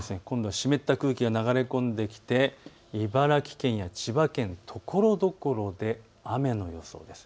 湿った空気が流れ込んできて茨城県や千葉県ところどころで雨の予想です。